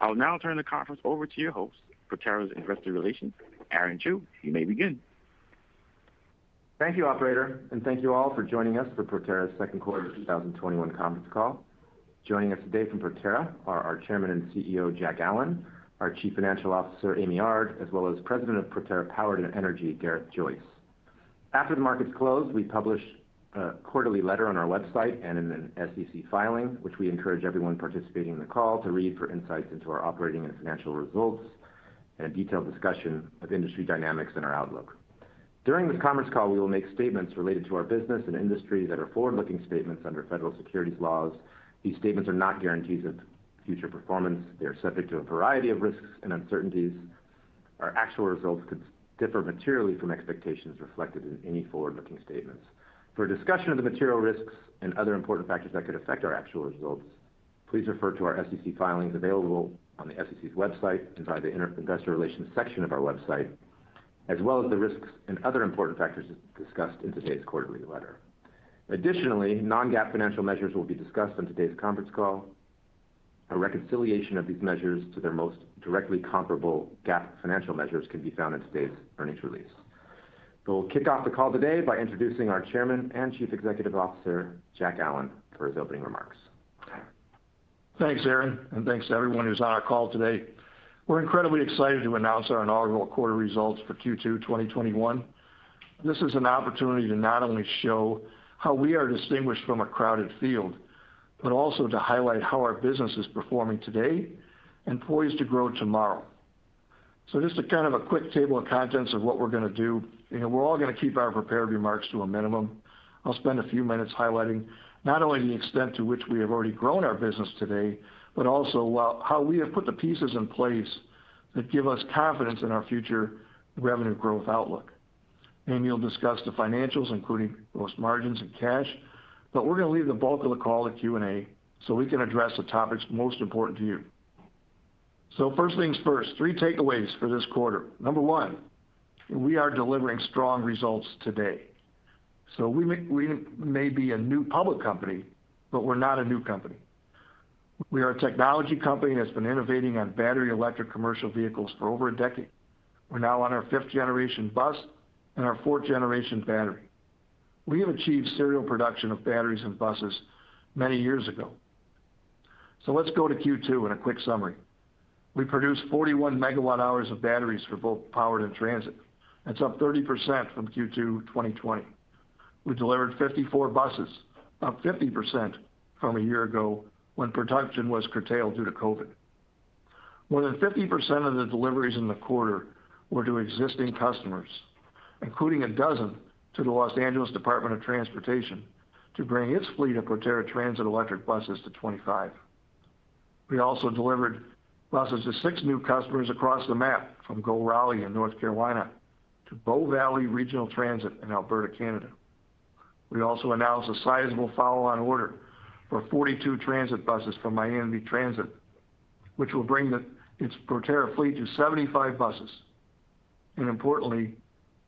I'll now turn the conference over to your host, Proterra's Investor Relations, Aaron Chew. You may begin. Thank you, operator. Thank you all for joining us for Proterra's second quarter 2021 conference call. Joining us today from Proterra are our Chairman and CEO, Jack Allen, our Chief Financial Officer, Amy Ard, as well as President of Proterra Powered and Energy, Gareth Joyce. After the markets close, we publish a quarterly letter on our website and in an SEC filing, which we encourage everyone participating in the call to read for insights into our operating and financial results and a detailed discussion of industry dynamics and our outlook. During this conference call, we will make statements related to our business and industry that are forward-looking statements under federal securities laws. These statements are not guarantees of future performance. They are subject to a variety of risks and uncertainties. Our actual results could differ materially from expectations reflected in any forward-looking statements. For a discussion of the material risks and other important factors that could affect our actual results, please refer to our SEC filings available on the SEC's website and via the investor relations section of our website, as well as the risks and other important factors discussed in today's quarterly letter. Additionally, non-GAAP financial measures will be discussed on today's conference call. A reconciliation of these measures to their most directly comparable GAAP financial measures can be found in today's earnings release. We'll kick off the call today by introducing our Chairman and Chief Executive Officer, Jack Allen, for his opening remarks. Thanks, Aaron, and thanks to everyone who's on our call today. We're incredibly excited to announce our inaugural quarter results for Q2 2021. This is an opportunity to not only show how we are distinguished from a crowded field, but also to highlight how our business is performing today and poised to grow tomorrow. Just a kind of a quick table of contents of what we're going to do. We're all going to keep our prepared remarks to a minimum. I'll spend a few minutes highlighting not only the extent to which we have already grown our business today, but also how we have put the pieces in place that give us confidence in our future revenue growth outlook. Amy Ard will discuss the financials, including gross margins and cash, but we're going to leave the bulk of the call to Q&A so we can address the topics most important to you. First things first, three takeaways for this quarter. Number one, we are delivering strong results today. We may be a new public company, but we're not a new company. We are a technology company that's been innovating on battery electric commercial vehicles for over a decade. We're now on our fifth generation bus and our 4th generation battery. We have achieved serial production of batteries and buses many years ago. Let's go to Q2 in a quick summary. We produced 41 megawatt hours of batteries for both Proterra Powered and Proterra Transit. That's up 30% from Q2 2020. We delivered 54 buses, up 50% from a year ago when production was curtailed due to COVID. More than 50% of the deliveries in the quarter were to existing customers, including 12 to the Los Angeles Department of Transportation to bring its fleet of Proterra Transit electric buses to 25. We also delivered buses to six new customers across the map, from GoRaleigh in North Carolina to Bow Valley Regional Transit in Alberta, Canada. We also announced a sizable follow-on order for 42 transit buses from Miami-Dade Transit, which will bring its Proterra fleet to 75 buses. Importantly,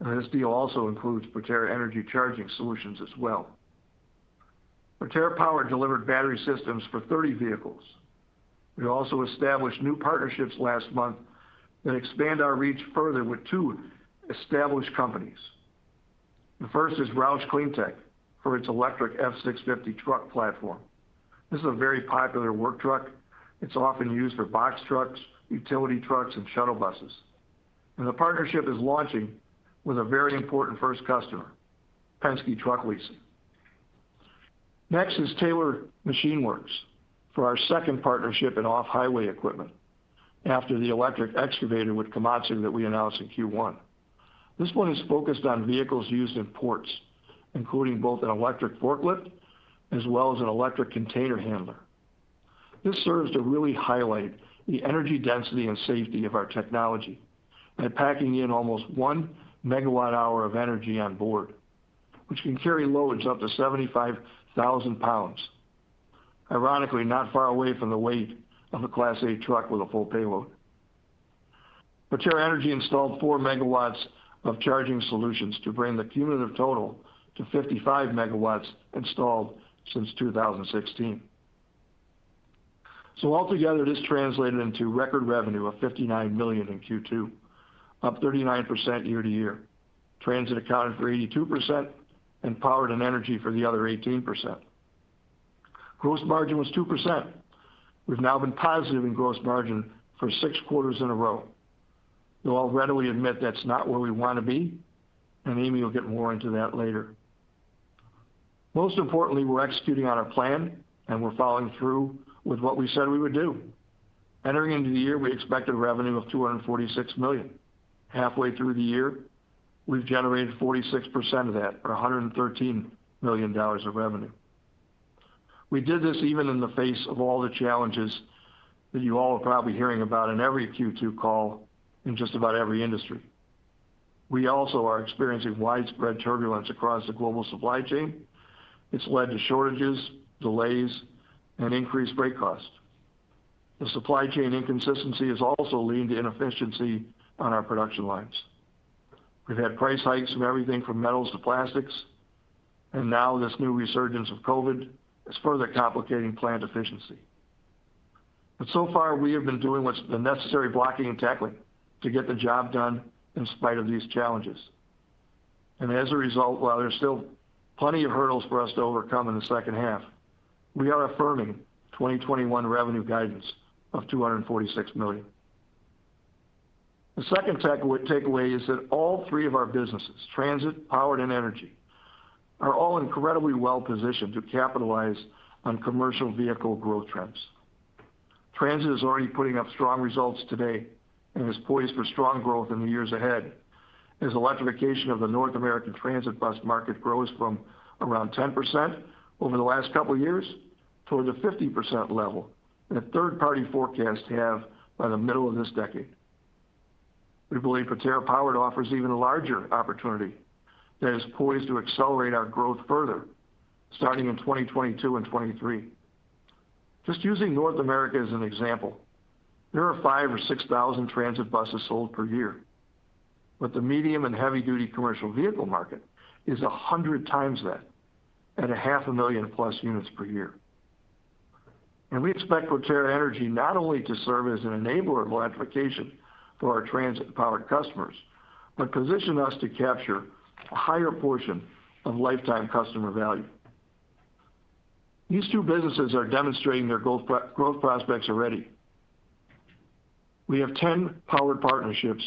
this deal also includes Proterra Energy charging solutions as well. Proterra Powered delivered battery systems for 30 vehicles. We also established new partnerships last month that expand our reach further with two established companies. The first is ROUSH CleanTech for its electric F-650 truck platform. This is a very popular work truck. It's often used for box trucks, utility trucks, and shuttle buses. The partnership is launching with a very important first customer, Penske Truck Leasing. Next is Taylor Machine Works for our second partnership in off-highway equipment after the electric excavator with Komatsu that we announced in Q1. This one is focused on vehicles used in ports, including both an electric forklift as well as an electric container handler. This serves to really highlight the energy density and safety of our technology by packing in almost 1 megawatt hour of energy on board, which can carry loads up to 75,000 pounds. Ironically, not far away from the weight of a Class 8 truck with a full payload. Proterra Energy installed 4 megawatts of charging solutions to bring the cumulative total to 55 megawatts installed since 2016. Altogether, this translated into record revenue of $59 million in Q2, up 39% year to year. Transit accounted for 82% and Power and Energy for the other 18%. Gross margin was 2%. We've now been positive in gross margin for six quarters in a row, though I'll readily admit that's not where we want to be, and Amy will get more into that later. Most importantly, we're executing on our plan and we're following through with what we said we would do. Entering into the year, we expected revenue of $246 million. Halfway through the year, we've generated 46% of that, or $113 million of revenue. We did this even in the face of all the challenges that you all are probably hearing about in every Q2 call in just about every industry. We also are experiencing widespread turbulence across the global supply chain. It's led to shortages, delays, and increased freight costs. The supply chain inconsistency has also led to inefficiency on our production lines. We've had price hikes from everything from metals to plastics, and now this new resurgence of COVID is further complicating plant efficiency. So far, we have been doing what's the necessary blocking and tackling to get the job done in spite of these challenges. As a result, while there's still plenty of hurdles for us to overcome in the second half, we are affirming 2021 revenue guidance of $246 million. The second takeaway is that all three of our businesses, Transit, Powered, and Energy, are all incredibly well-positioned to capitalize on commercial vehicle growth trends. Transit is already putting up strong results today and is poised for strong growth in the years ahead, as electrification of the North American transit bus market grows from around 10% over the last couple years to the 50% level that third-party forecasts have by the middle of this decade. We believe Proterra Powered offers even a larger opportunity that is poised to accelerate our growth further, starting in 2022 and 2023. Just using North America as an example, there are 5,000 or 6,000 transit buses sold per year. The medium and heavy-duty commercial vehicle market is 100 times that, at a half a million plus units per year. We expect Proterra Energy not only to serve as an enabler of electrification for our transit and powered customers, but position us to capture a higher portion of lifetime customer value. These two businesses are demonstrating their growth prospects already. We have 10 powered partnerships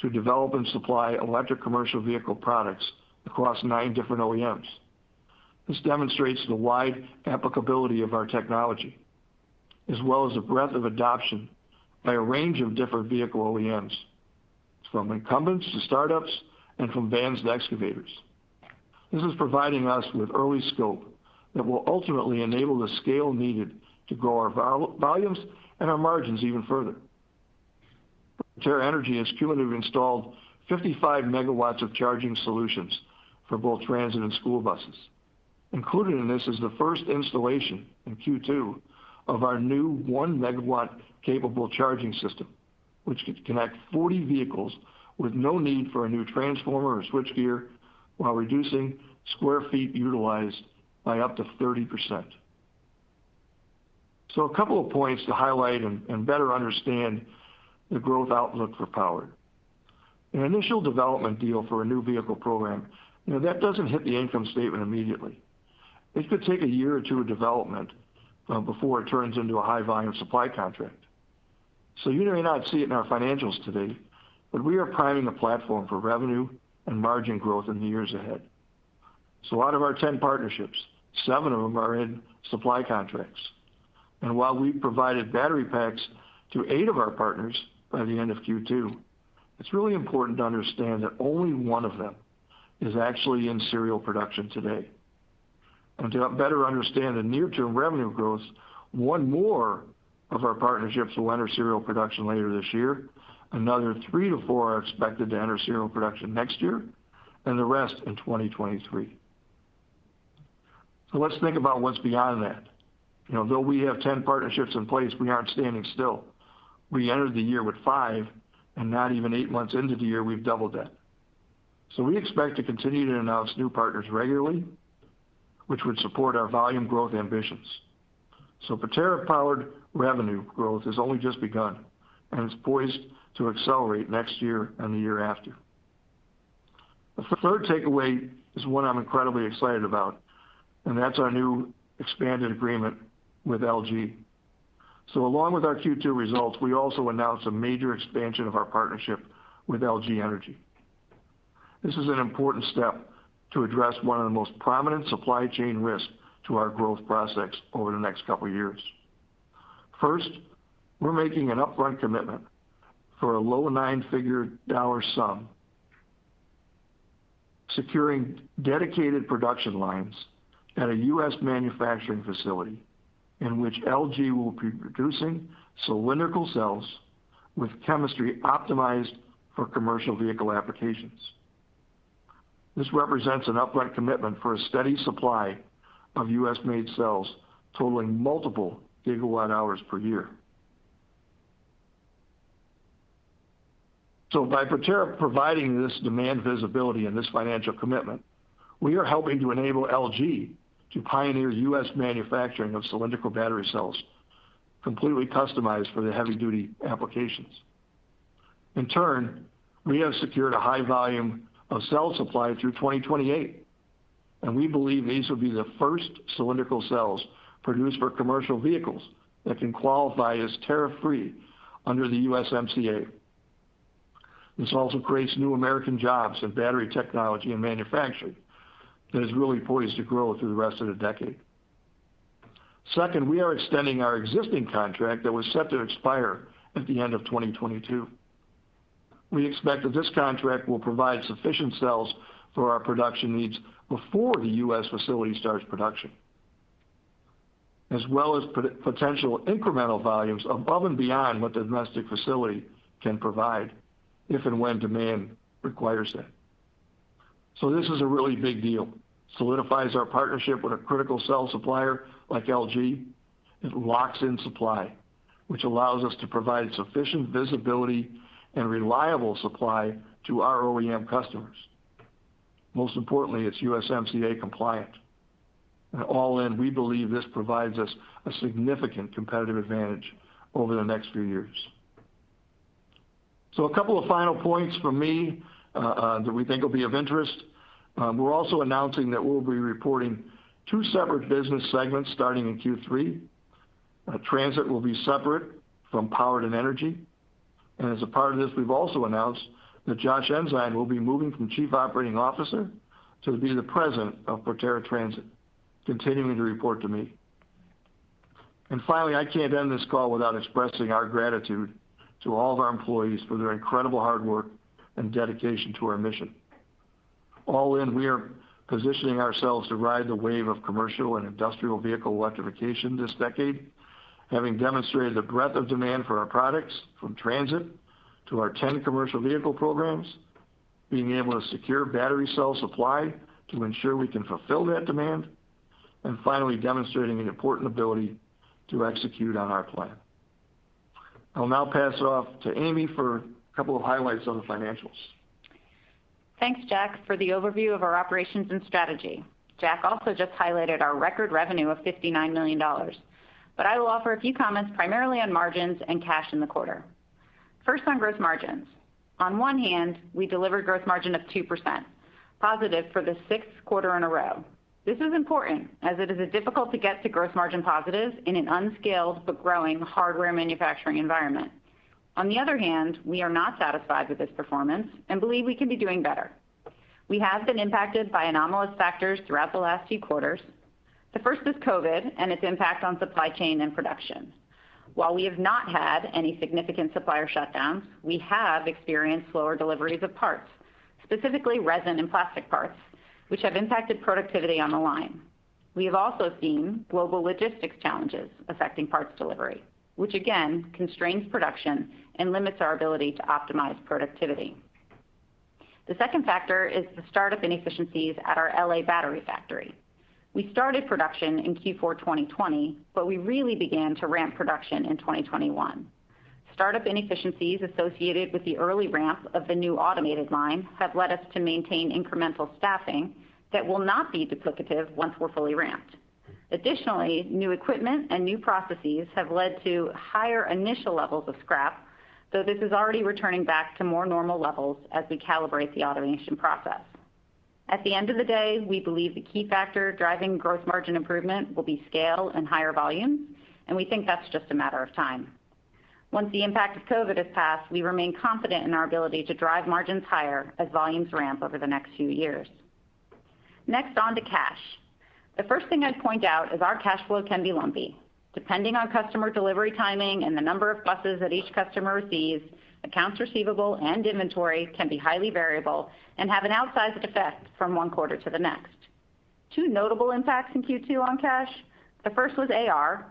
to develop and supply electric commercial vehicle products across nine different OEMs. This demonstrates the wide applicability of our technology, as well as the breadth of adoption by a range of different vehicle OEMs, from incumbents to startups, and from vans to excavators. This is providing us with early scope that will ultimately enable the scale needed to grow our volumes and our margins even further. Proterra Energy has cumulatively installed 55 MW of charging solutions for both transit and school buses. Included in this is the first installation in Q2 of our new 1-MW capable charging system, which can connect 40 vehicles with no need for a new transformer or switchgear, while reducing square feet utilized by up to 30%. A couple of points to highlight and better understand the growth outlook for Powered. An initial development deal for a new vehicle program, that doesn't hit the income statement immediately. It could take a year or two of development before it turns into a high-volume supply contract. You may not see it in our financials today, but we are priming the platform for revenue and margin growth in the years ahead. Out of our 10 partnerships, seven of them are in supply contracts. While we provided battery packs to 8 of our partners by the end of Q2, it's really important to understand that only one of them is actually in serial production today. To better understand the near-term revenue growth, one more of our partnerships will enter serial production later this year, another three to four are expected to enter serial production next year, and the rest in 2023. Let's think about what's beyond that. Though we have 10 partnerships in place, we aren't standing still. We entered the year with five, and not even eight months into the year, we've doubled that. We expect to continue to announce new partners regularly, which would support our volume growth ambitions. Proterra Powered revenue growth has only just begun, and it's poised to accelerate next year and the year after. The third takeaway is one I'm incredibly excited about, and that's our new expanded agreement with LG. Along with our Q2 results, we also announced a major expansion of our partnership with LG Energy. This is an important step to address one of the most prominent supply chain risks to our growth prospects over the next couple years. First, we're making an upfront commitment for a low nine-figure dollar sum, securing dedicated production lines at a U.S. manufacturing facility in which LG will be producing cylindrical cells with chemistry optimized for commercial vehicle applications. This represents an upfront commitment for a steady supply of U.S.-made cells totaling multiple gigawatt hours per year. By Proterra providing this demand visibility and this financial commitment, we are helping to enable LG to pioneer U.S. manufacturing of cylindrical battery cells completely customized for the heavy-duty applications. In turn, we have secured a high volume of cell supply through 2028, and we believe these will be the first cylindrical cells produced for commercial vehicles that can qualify as tariff-free under the USMCA. This also creates new American jobs in battery technology and manufacturing that is really poised to grow through the rest of the decade. Second, we are extending our existing contract that was set to expire at the end of 2022. We expect that this contract will provide sufficient cells for our production needs before the U.S. facility starts production, as well as potential incremental volumes above and beyond what the domestic facility can provide, if and when demand requires that. This is a really big deal. Solidifies our partnership with a critical cell supplier like LG. It locks in supply, which allows us to provide sufficient visibility and reliable supply to our OEM customers. Most importantly, it's USMCA compliant. All in, we believe this provides us a significant competitive advantage over the next few years. A couple of final points from me that we think will be of interest. We're also announcing that we'll be reporting two separate business segments starting in Q3. Transit will be separate from Power and Energy. As a part of this, we've also announced that Josh Ensign will be moving from Chief Operating Officer to be the President of Proterra Transit, continuing to report to me. Finally, I can't end this call without expressing our gratitude to all of our employees for their incredible hard work and dedication to our mission. All in, we are positioning ourselves to ride the wave of commercial and industrial vehicle electrification this decade, having demonstrated the breadth of demand for our products, from transit to our 10 commercial vehicle programs, being able to secure battery cell supply to ensure we can fulfill that demand, finally, demonstrating an important ability to execute on our plan. I will now pass it off to Amy for a couple of highlights on the financials. Thanks, Jack, for the overview of our operations and strategy. Jack also just highlighted our record revenue of $59 million. I will offer a few comments primarily on margins and cash in the quarter. First, on gross margins. On one hand, we delivered gross margin of 2%, positive for the sixth quarter in a row. This is important, as it is difficult to get to gross margin positive in an unscaled but growing hardware manufacturing environment. On the other hand, we are not satisfied with this performance and believe we can be doing better. We have been impacted by anomalous factors throughout the last few quarters. The first is COVID and its impact on supply chain and production. While we have not had any significant supplier shutdowns, we have experienced slower deliveries of parts, specifically resin and plastic parts, which have impacted productivity on the line. We have also seen global logistics challenges affecting parts delivery, which again constrains production and limits our ability to optimize productivity. The second factor is the startup inefficiencies at our L.A. battery factory. We started production in Q4 2020, but we really began to ramp production in 2021. Startup inefficiencies associated with the early ramp of the one new automated line have led us to maintain incremental staffing that will not be duplicative once we're fully ramped. Additionally, new equipment and new processes have led to higher initial levels of scrap, though this is already returning back to more normal levels as we calibrate the automation process. At the end of the day, we believe the key factor driving gross margin improvement will be scale and higher volume, and we think that's just a matter of time. Once the impact of COVID has passed, we remain confident in our ability to drive margins higher as volumes ramp over the next few years. On to cash. The first thing I'd point out is our cash flow can be lumpy. Depending on customer delivery timing and the number of buses that each customer receives, accounts receivable and inventory can be highly variable and have an outsized effect from one quarter to the next. Two notable impacts in Q2 on cash. The first was AR.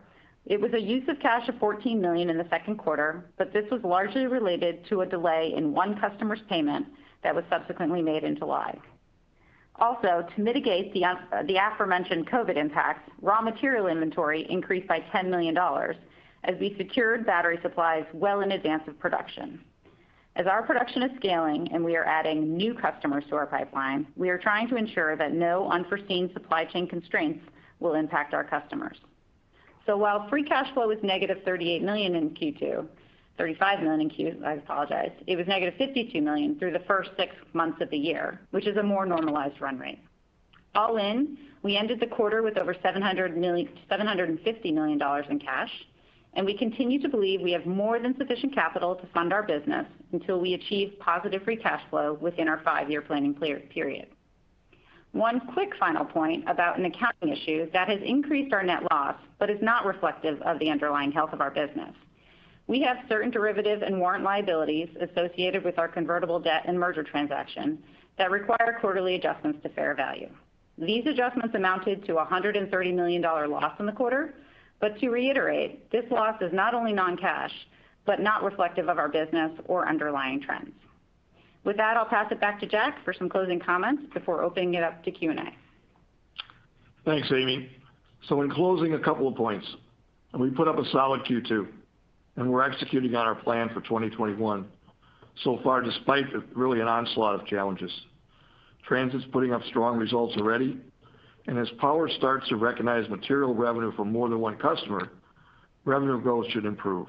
It was a use of cash of $14 million in the second quarter, but this was largely related to a delay in one customer's payment that was subsequently made in July. To mitigate the aforementioned COVID impacts, raw material inventory increased by $10 million as we secured battery supplies well in advance of production. As our production is scaling and we are adding new customers to our pipeline, we are trying to ensure that no unforeseen supply chain constraints will impact our customers. While free cash flow is negative $38 million in Q2, I apologize, it was negative $52 million through the first six months of the year, which is a more normalized run rate. All in, we ended the quarter with over $750 million in cash, and we continue to believe we have more than sufficient capital to fund our business until we achieve positive free cash flow within our five-year planning period. One quick final point about an accounting issue that has increased our net loss, but is not reflective of the underlying health of our business. We have certain derivative and warrant liabilities associated with our convertible debt and merger transaction that require quarterly adjustments to fair value. These adjustments amounted to a $130 million loss in the quarter, but to reiterate, this loss is not only non-cash, but not reflective of our business or underlying trends. With that, I'll pass it back to Jack for some closing comments before opening it up to Q&A. Thanks, Amy. In closing, two points. We put up a solid Q2, and we're executing on our plan for 2021 so far, despite really an onslaught of challenges. Proterra Transit's putting up strong results already. As Proterra Powered starts to recognize material revenue for more than one customer, revenue growth should improve.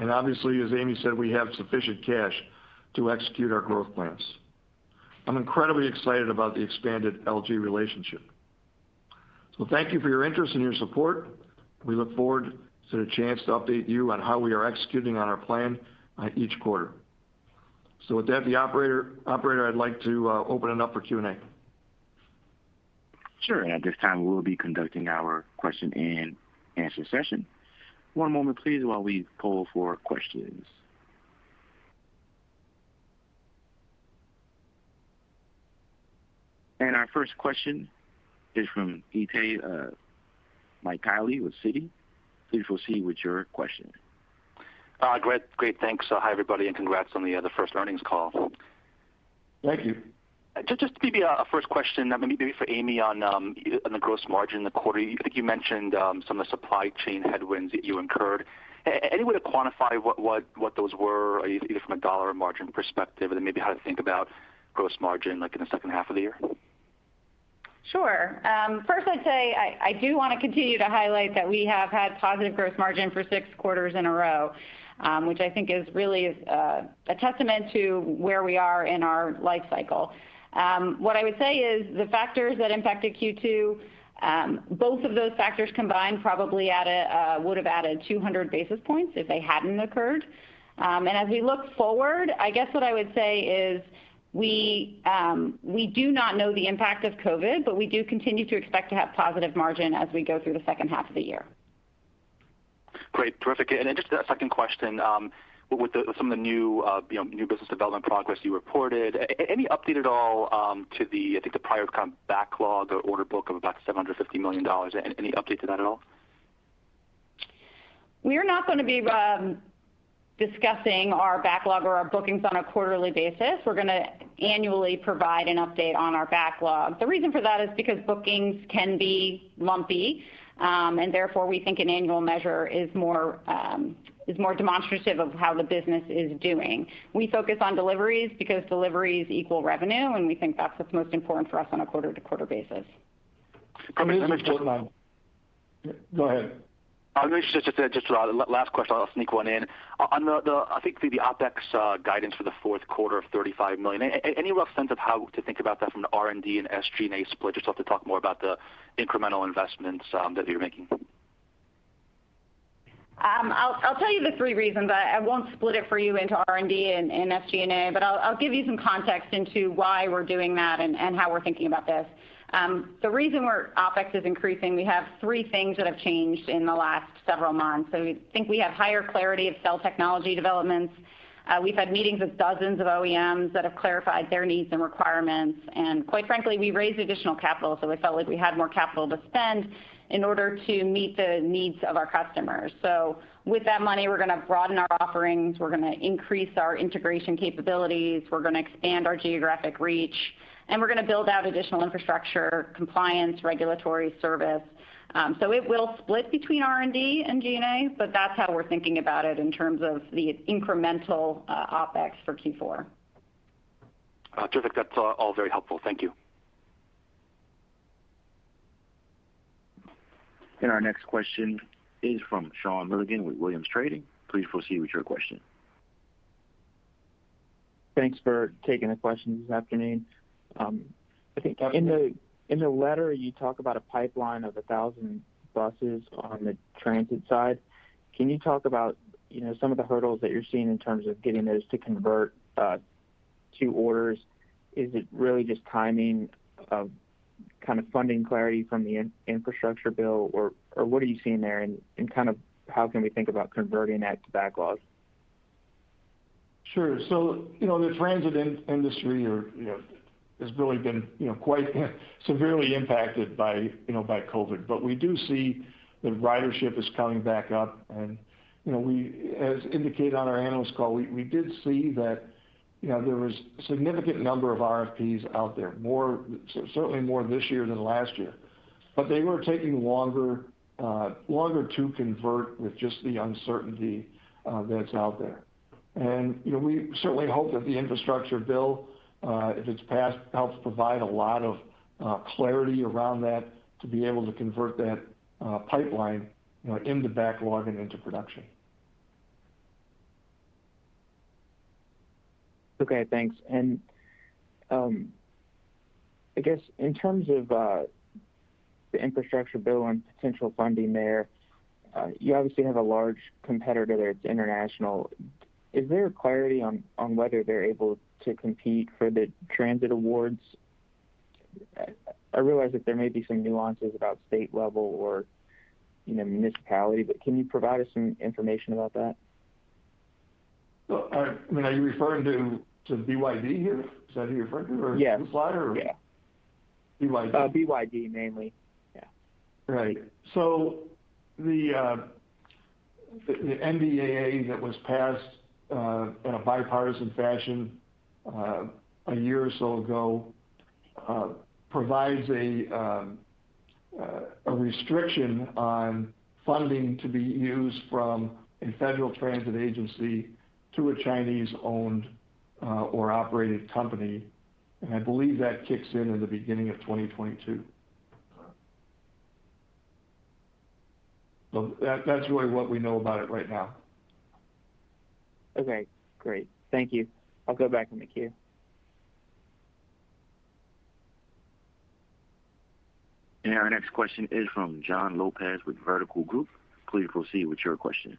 Obviously, as Amy said, we have sufficient cash to execute our growth plans. I'm incredibly excited about the expanded LG relationship. Thank you for your interest and your support. We look forward to the chance to update you on how we are executing on our plan each quarter. With that, the operator, I'd like to open it up for Q&A. Sure. At this time, we'll be conducting our question and answer session. One moment please, while we poll for questions. Our first question is from Itay Michaeli with Citi. Please proceed with your question. Great. Thanks. Hi everybody, and congrats on the first earnings call. Thank you. Just to give you a 1st question, maybe for Amy on the gross margin in the quarter. I think you mentioned some of the supply chain headwinds that you incurred. Any way to quantify what those were, either from a dollar or margin perspective? Maybe how to think about gross margin, like in the second half of the year? Sure. First I'd say, I do want to continue to highlight that we have had positive gross margin for 6 quarters in a row. Which I think is really a testament to where we are in our life cycle. What I would say is, the factors that impacted Q2, both of those factors combined probably would've added 200 basis points if they hadn't occurred. As we look forward, I guess what I would say is, we do not know the impact of COVID, but we do continue to expect to have positive margin as we go through the second half of the year. Great. Terrific. Just a second question. With some of the new business development progress you reported, any update at all to the, I think, the prior kind of backlog or order book of about $750 million? Any update to that at all? We are not going to be discussing our backlog or our bookings on a quarterly basis. We're going to annually provide an update on our backlog. The reason for that is because bookings can be lumpy, and therefore we think an annual measure is more demonstrative of how the business is doing. We focus on deliveries because deliveries equal revenue, and we think that's what's most important for us on a quarter-to-quarter basis. Go ahead. Just a last question. I'll sneak one in. I think the OpEx guidance for the fourth quarter of $35 million, any rough sense of how to think about that from the R&D and SG&A split? Just have to talk more about the incremental investments that you're making. I'll tell you the three reasons, but I won't split it for you into R&D and SG&A. I'll give you some context into why we're doing that and how we're thinking about this. The reason why our OpEx is increasing, we have three things that have changed in the last several months. We think we have higher clarity of cell technology developments. We've had meetings with dozens of OEMs that have clarified their needs and requirements, and quite frankly, we raised additional capital, so we felt like we had more capital to spend in order to meet the needs of our customers. With that money, we're going to broaden our offerings, we're going to increase our integration capabilities, we're going to expand our geographic reach, and we're going to build out additional infrastructure, compliance, regulatory service. It will split between R&D and G&A, but that's how we're thinking about it in terms of the incremental OpEx for Q4. Terrific. That's all very helpful. Thank you. Our next question is from Sean Milligan with Williams Trading. Please proceed with your question. Thanks for taking the questions this afternoon. I think in the letter you talk about a pipeline of 1,000 buses on the transit side. Can you talk about some of the hurdles that you're seeing in terms of getting those to convert to orders? Is it really just timing of kind of funding clarity from the infrastructure bill, or what are you seeing there, and kind of how can we think about converting that to backlog? Sure. The transit industry has really been quite severely impacted by COVID. We do see that ridership is coming back up and as indicated on our analyst call, we did see that there was significant number of RFPs out there. Certainly more this year than last year. They were taking longer to convert with just the uncertainty that's out there. We certainly hope that the Infrastructure Bill, if it's passed, helps provide a lot of clarity around that to be able to convert that pipeline into backlog and into production. Okay, thanks. I guess in terms of the infrastructure bill and potential funding there, you obviously have a large competitor that's international. Is there clarity on whether they're able to compete for the transit awards? I realize that there may be some nuances about state level or municipality, but can you provide us some information about that? Are you referring to BYD here? Is that who you're referring to? Yes. This slide or? Yeah. BYD. BYD mainly. Yeah. Right. The NDAA that was passed in a bipartisan fashion a year or so ago, provides a restriction on funding to be used from a federal transit agency to a Chinese-owned or operated company. I believe that kicks in in the beginning of 2022. That's really what we know about it right now. Okay, great. Thank you. I'll go back in the queue. Our next question is from Jon Lopez with Vertical Group. Please proceed with your question.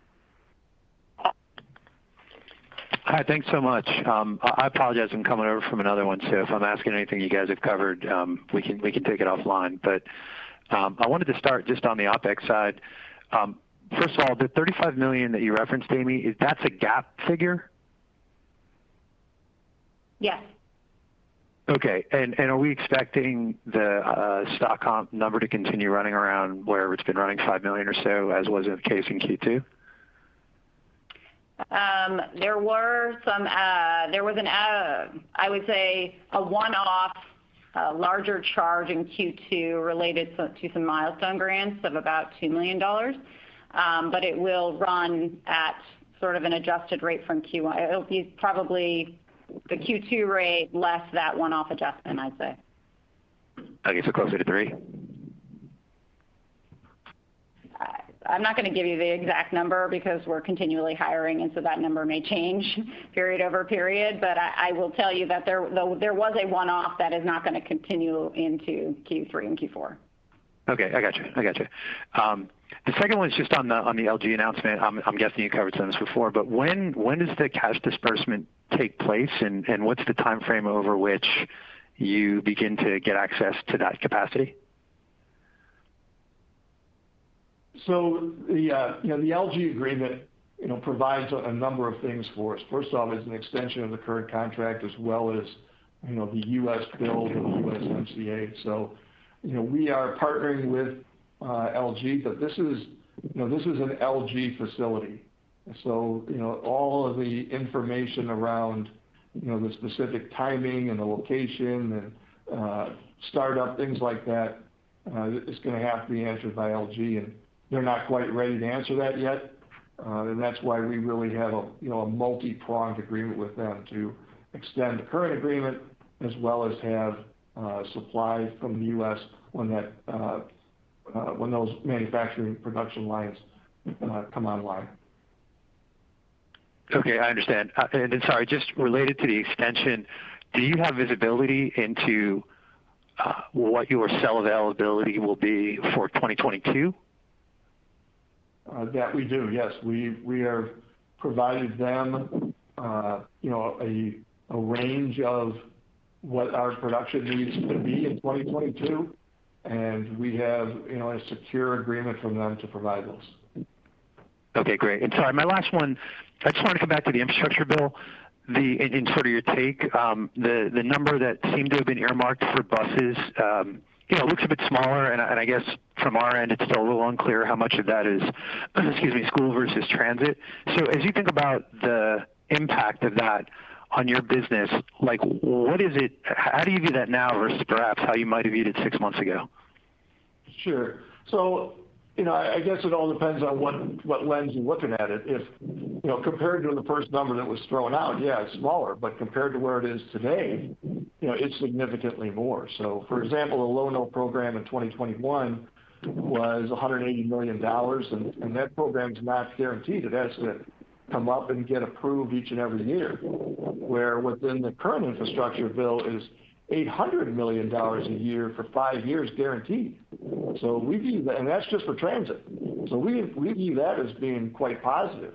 Hi. Thanks so much. I apologize, I'm coming over from another one, so if I'm asking anything you guys have covered, we can take it offline. I wanted to start just on the OpEx side. First of all, the $35 million that you referenced, Amy, that's a GAAP figure? Yes. Okay. Are we expecting the stock comp number to continue running around where it's been running, $5 million or so, as was the case in Q2? There was, I would say, a 1-off larger charge in Q2 related to some milestone grants of about $2 million. It will run at sort of an adjusted rate from Q1. It'll be probably the Q2 rate less that one-off adjustment, I'd say. Okay. Closer to three? I'm not going to give you the exact number because we're continually hiring, that number may change period over period. I will tell you that there was a one-off that is not going to continue into Q3 and Q4. Okay. I got you. The second one is just on the LG announcement. I'm guessing you covered some of this before. When does the cash disbursement take place, and what's the timeframe over which you begin to get access to that capacity? The LG agreement provides a number of things for us. First off, it's an extension of the current contract as well as the U.S. bill, the USICA. We are partnering with LG, but this is an LG facility. All of the information around the specific timing and the location and startup, things like that, is going to have to be answered by LG, and they're not quite ready to answer that yet. That's why we really have a multi-pronged agreement with them to extend the current agreement as well as have supply from the U.S. when those manufacturing production lines come online. Okay. I understand. Sorry, just related to the extension, do you have visibility into what your cell availability will be for 2022? That we do, yes. We have provided them a range of what our production needs would be in 2022, and we have a secure agreement from them to provide those. Okay, great. Sorry, my last one, I just wanted to come back to the Infrastructure Bill and sort of your take. The number that seemed to have been earmarked for buses looks a bit smaller, and I guess from our end, it's still a little unclear how much of that is, excuse me, school versus transit. As you think about the impact of that on your business, how do you view that now versus perhaps how you might have viewed it six months ago? Sure. I guess it all depends on what lens you're looking at it. If compared to the first number that was thrown out, yeah, it's smaller. Compared to where it is today, it's significantly more. For example, the Low-No Program in 2021 was $180 million, and that program's not guaranteed. It has to come up and get approved each and every year. Where within the current infrastructure bill is $800 million a year for five years guaranteed. That's just for transit. We view that as being quite positive.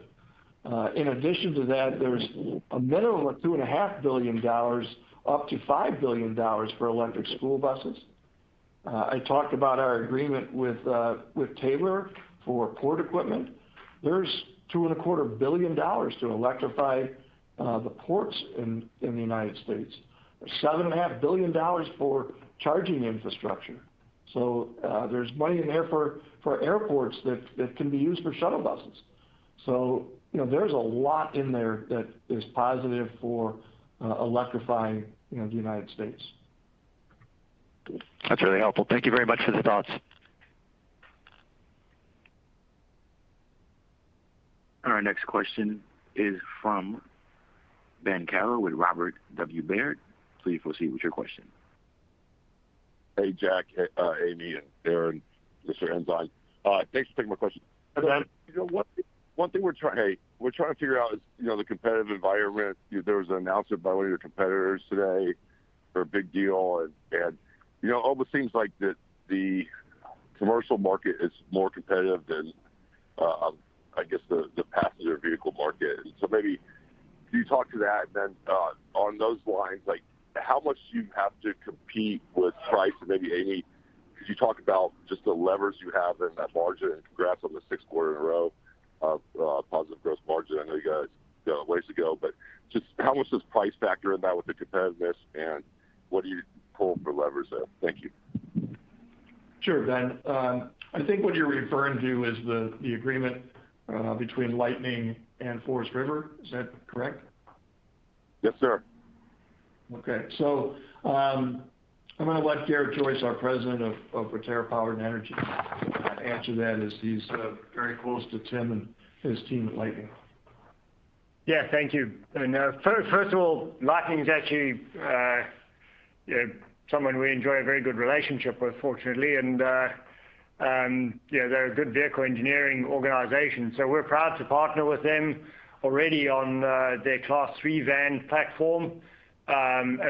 In addition to that, there's a minimum of $2.5 billion up to $5 billion for electric school buses. I talked about our agreement with Taylor for port equipment. There's $2.25 billion to electrify the ports in the United States. There's $7.5 billion for charging infrastructure. There's money in there for airports that can be used for shuttle buses. There's a lot in there that is positive for electrifying the United States. That's really helpful. Thank you very much for the thoughts. Our next question is from Ben Kallo with Robert W. Baird. Please proceed with your question. Hey, Jack, Amy, and Aaron, Mr. Ensign. Thanks for taking my question. Hi, Ben. One thing we're trying to figure out is the competitive environment. There was an announcement by one of your competitors today for a big deal, and almost seems like the commercial market is more competitive than, I guess, the passenger vehicle market. Maybe can you talk to that? On those lines, how much do you have to compete with price? Maybe Amy, could you talk about just the levers you have in that margin? Congrats on the sixth quarter in a row of positive gross margin. I know you guys got a ways to go, but just how much does price factor in that with the competitiveness, and what do you pull for levers there? Thank you. Sure, Ben. I think what you're referring to is the agreement between Lightning and Forest River. Is that correct? Yes, sir. I'm going to let Gareth Joyce, our President of Proterra Powered and Energy, answer that as he's very close to Tim and his team at Lightning. Yeah. Thank you. First of all, Lightning's actually someone we enjoy a very good relationship with, fortunately. They're a good vehicle engineering organization. We're proud to partner with them already on their Class 3 van platform.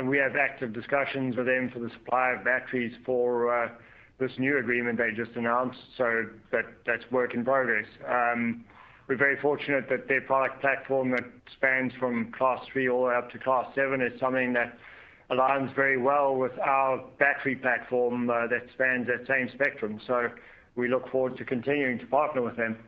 We have active discussions with them for the supply of batteries for this new agreement they just announced. That's work in progress. We're very fortunate that their product platform that spans from Class 3 all the way up to Class 7 is something that aligns very well with our battery platform that spans that same spectrum. We look forward to continuing to partner with them.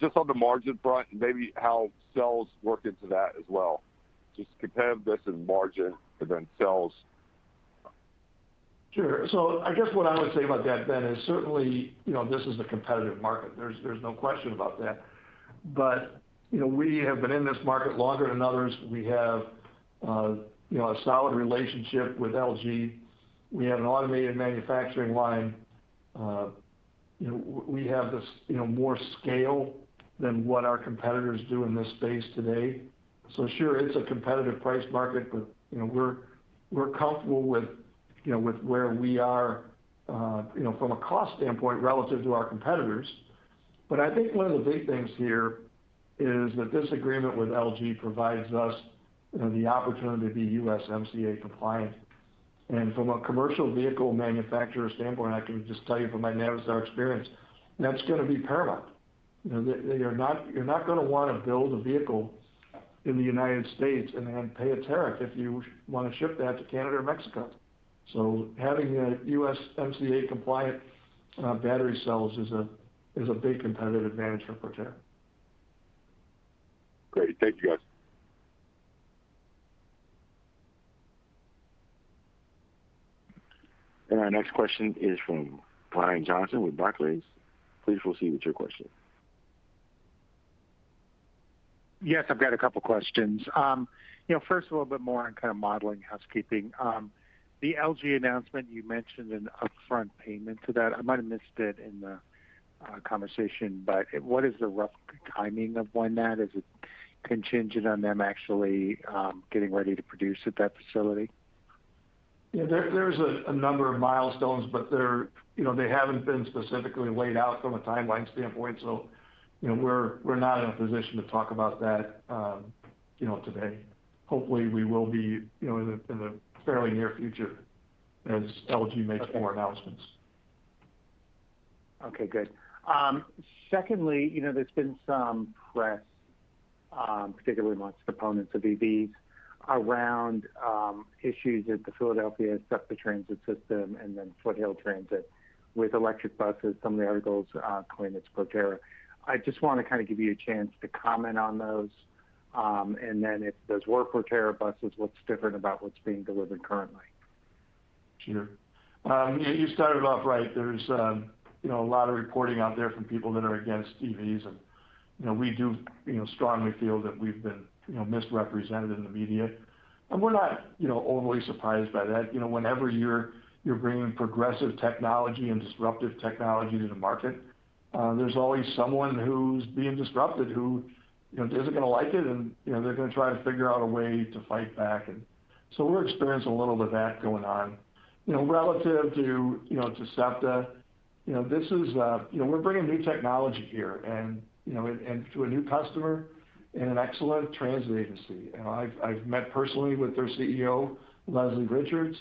Just on the margin front, and maybe how cells work into that as well. Just compare this in margin and then cells. Sure. I guess what I would say about that, Ben, is certainly, this is a competitive market. There's no question about that. We have been in this market longer than others. We have a solid relationship with LG. We have an automated manufacturing line. We have more scale than what our competitors do in this space today. Sure, it's a competitive price market, but we're comfortable with where we are from a cost standpoint relative to our competitors. I think one of the big things here is that this agreement with LG provides us the opportunity to be USMCA compliant. From a commercial vehicle manufacturer standpoint, I can just tell you from my Navistar experience, that's going to be paramount. You're not going to want to build a vehicle in the United States and then pay a tariff if you want to ship that to Canada or Mexico. So having a USMCA-compliant battery cells is a big competitive advantage for Proterra. Great. Thank you, guys. Our next question is from Brian Johnson with Barclays. Please proceed with your question. Yes, I've got a couple of questions. First, a little bit more on kind of modeling, housekeeping. The LG announcement, you mentioned an upfront payment to that. I might have missed it in the conversation, but what is the rough timing of when that is? Is it contingent on them actually getting ready to produce at that facility? There's a number of milestones, but they haven't been specifically laid out from a timeline standpoint. We're not in a position to talk about that today. Hopefully, we will be in the fairly near future as LG makes more announcements. Okay, good. Secondly, there's been some press, particularly amongst opponents of EVs, around issues at the Philadelphia SEPTA transit system and then Foothill Transit with electric buses. Some of the articles claiming it's Proterra. I just want to kind of give you a chance to comment on those, and then if those were Proterra buses, what's different about what's being delivered currently? Sure. You started off right. There's a lot of reporting out there from people that are against EVs. We do strongly feel that we've been misrepresented in the media. We're not overly surprised by that. Whenever you're bringing progressive technology and disruptive technology to the market, there's always someone who's being disrupted who isn't going to like it. They're going to try to figure out a way to fight back. We're experiencing a little of that going on. Relative to SEPTA, we're bringing new technology here and to a new customer and an excellent transit agency. I've met personally with their CEO, Leslie Richards.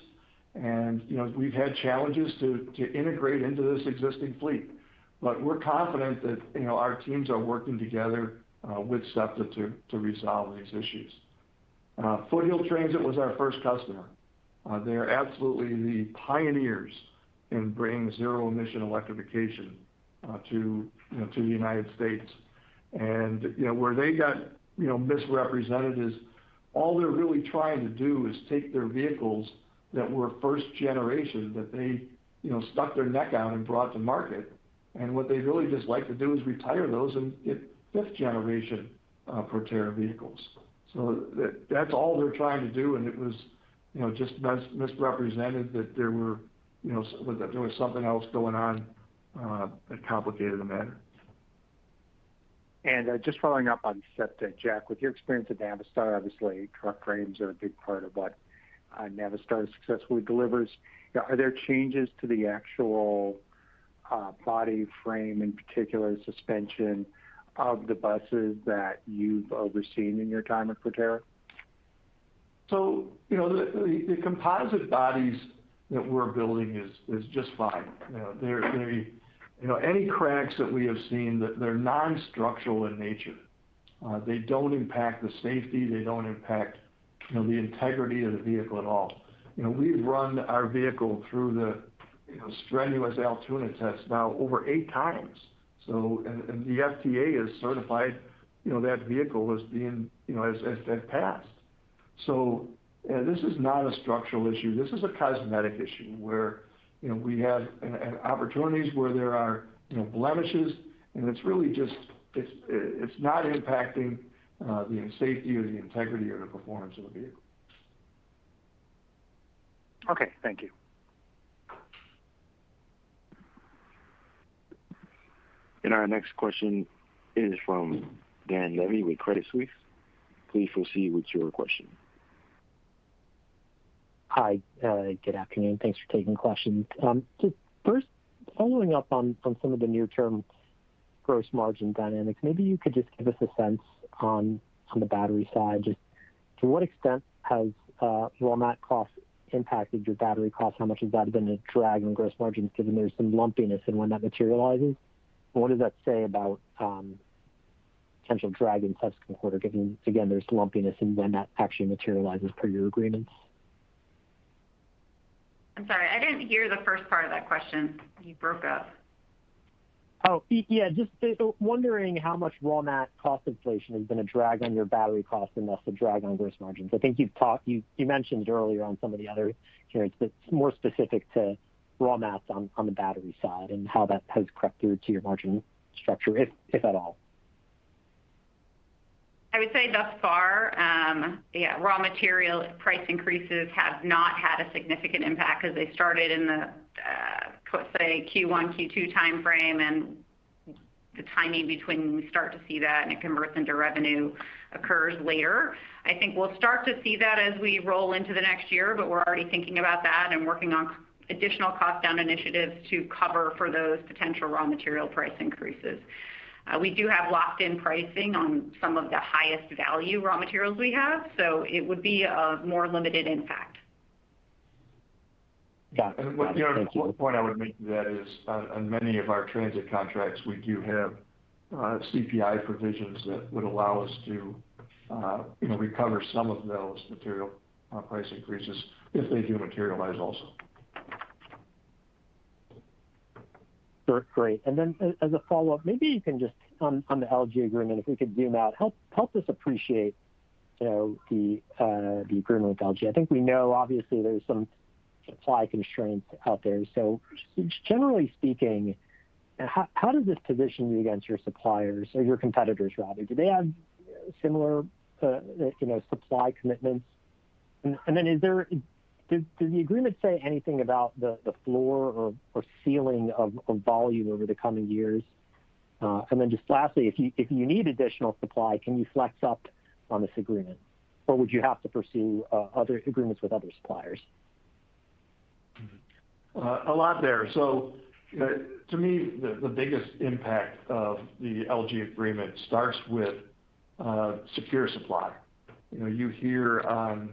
We've had challenges to integrate into this existing fleet. We're confident that our teams are working together with SEPTA to resolve these issues. Foothill Transit was our first customer. They're absolutely the pioneers in bringing zero emission electrification to the U.S. Where they got misrepresented is, all they're really trying to do is take their vehicles that were first generation, that they stuck their neck out and brought to market. What they'd really just like to do is retire those and get fifth generation Proterra vehicles. That's all they're trying to do, and it was just misrepresented that there was something else going on that complicated the matter. Just following up on SEPTA, Jack, with your experience at Navistar, obviously truck frames are a big part of what Navistar successfully delivers. Are there changes to the actual body frame, in particular suspension, of the buses that you've overseen in your time at Proterra? The composite bodies that we're building is just fine. Any cracks that we have seen, they're non-structural in nature. They don't impact the safety. They don't impact the integrity of the vehicle at all. We've run our vehicle through the strenuous Altoona test now over eight times. The FTA has certified that vehicle as being passed. This is not a structural issue. This is a cosmetic issue where we have opportunities where there are blemishes, and it's not impacting the safety or the integrity or the performance of the vehicle. Okay. Thank you. Our next question is from Dan Levy with Credit Suisse. Please proceed with your question. Hi. Good afternoon. Thanks for taking questions. Just first following up on some of the near-term gross margin dynamics. Maybe you could just give us a sense on the battery side, just to what extent has raw mat cost impacted your battery cost? How much has that been a drag on gross margins, given there's some lumpiness in when that materializes? What does that say about potential drag in subsequent quarter, given, again, there's lumpiness in when that actually materializes per your agreements? I'm sorry, I didn't hear the first part of that question. You broke up. Oh, yeah. I was just wondering how much raw mat cost inflation has been a drag on your battery cost and thus a drag on gross margins. I think you mentioned earlier on some of the other calls, more specific to raw mats on the battery side and how that has crept through to your margin structure, if at all. I would say thus far raw material price increases have not had a significant impact because they started in the Q1, Q2 timeframe, and the timing between when we start to see that and it converts into revenue occurs later. I think we'll start to see that as we roll into the next year. We're already thinking about that and working on additional cost down initiatives to cover for those potential raw material price increases. We do have locked in pricing on some of the highest value raw materials we have. It would be a more limited impact. Got it. Thank you. The other point I would make to that is, on many of our transit contracts, we do have CPI provisions that would allow us to recover some of those material price increases if they do materialize also. Sure. Great. As a follow-up, maybe you can just on the LG agreement, if we could zoom out. Help us appreciate the agreement with LG. I think we know obviously there's some supply constraints out there. Generally speaking, how does this position you against your suppliers or your competitors, rather? Do they have similar supply commitments? Does the agreement say anything about the floor or ceiling of volume over the coming years? Just lastly, if you need additional supply, can you flex up on this agreement, or would you have to pursue other agreements with other suppliers? A lot there. To me, the biggest impact of the LG agreement starts with secure supply. You hear on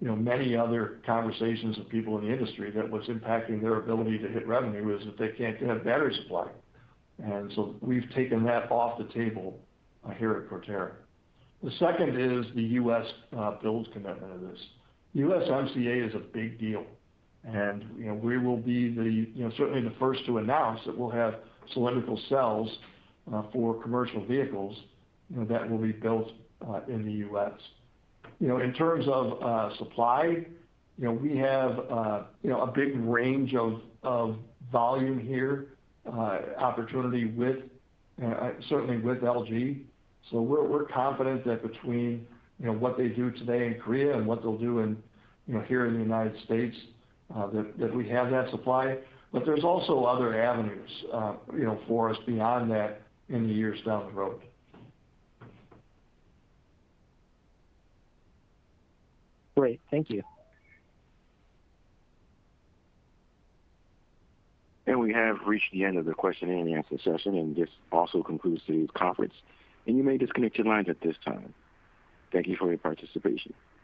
many other conversations with people in the industry that what's impacting their ability to hit revenue is that they can't get battery supply. We've taken that off the table here at Proterra. The second is the U.S. build commitment of this. USMCA is a big deal, and we will be certainly the first to announce that we'll have cylindrical cells for commercial vehicles that will be built in the U.S. In terms of supply, we have a big range of volume here, opportunity certainly with LG. We're confident that between what they do today in Korea and what they'll do here in the United States that we have that supply. There's also other avenues for us beyond that in the years down the road. Great. Thank you. We have reached the end of the question and answer session, and this also concludes today's conference. You may disconnect your lines at this time. Thank you for your participation. Thank you.